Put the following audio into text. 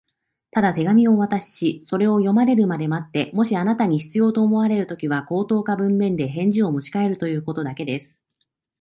「ただ手紙をお渡しし、それを読まれるまで待って、もしあなたに必要と思われるときには、口頭か文面で返事をもちかえるということだけです」